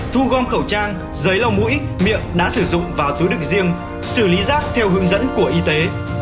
thu gom khẩu trang giấy lòng mũi miệng đã sử dụng vào túi đực riêng xử lý rác theo hướng dẫn của y tế